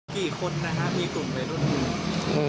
กี่คนนะครับมีกลุ่มวัยรุ่นอยู่